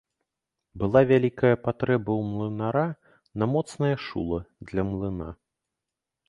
Была вялікая патрэба ў млынара на моцнае шула для млына.